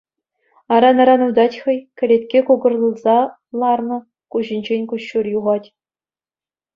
Аран-аран утать хӑй, кӗлетки кукӑрӑлса ларнӑ, куҫӗнчен куҫҫуль юхат.